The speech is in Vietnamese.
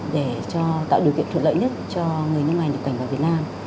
để cho tạo điều kiện thuận lợi nhất cho người nước ngoài nhập cảnh vào việt nam